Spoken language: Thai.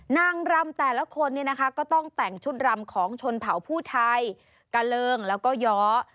นางรำแต่ละคนเนี่ยนะคะก็ต้องแต่งชุดรำของชนเผาผู้ไทยกะเริงแล้วก็ย้อ